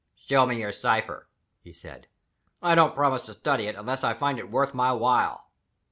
"Show me your cipher," he said; "I don't promise to study it unless I find it worth my while."